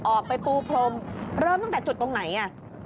ออกไปปูพรมเริ่มตั้งแต่จุดตรงไหนอ่ะ